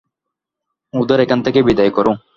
ওদের এখান থেকে বিদায় করো।